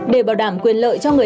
để bảo đảm quyền lợi cho các nhà nước